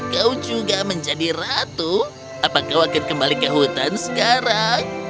kau juga menjadi ratu apakah kau akan kembali ke hutan sekarang